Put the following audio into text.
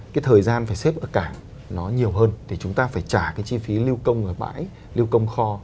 cái thời gian phải xếp ở cảng nó nhiều hơn thì chúng ta phải trả cái chi phí lưu công ở bãi lưu công kho